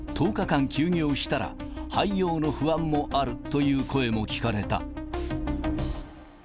１０日間休業したら、廃業の不安もあるという声も聞かれた。